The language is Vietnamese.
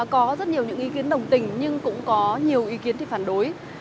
có rất nhiều những ý kiến đồng tình nhưng cũng có nhiều ý kiến thì phản đối